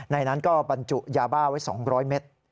นั้นก็บรรจุยาบ้าไว้๒๐๐เมตร